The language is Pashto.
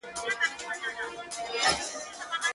o چي په دنيا کي محبت غواړمه.